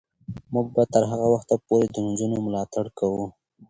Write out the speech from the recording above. موږ به تر هغه وخته پورې د نجونو ملاتړ کوو.